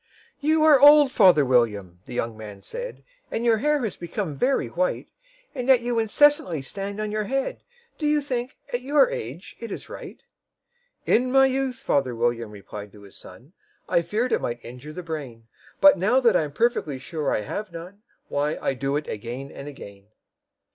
"YOU are old, father William," the young man said, "And your hair has become very white; And yet you incessantly stand on your head Do you think, at your age, it is right? "In my youth," father William replied to his son, "I feared it might injure the brain; But, now that I'm perfectly sure I have none, Why, I do it again and again."